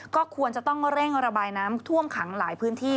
ก็ควรจะต้องเร่งระบายน้ำท่วมขังหลายพื้นที่